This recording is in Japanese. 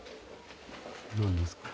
どうですか？